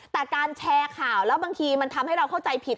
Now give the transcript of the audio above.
แต่การแชร์ข่าวแล้วบางทีมันทำให้เราเข้าใจผิด